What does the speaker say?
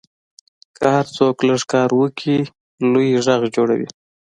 که هر څوک لږ کار وکړي، لوی غږ جوړېږي.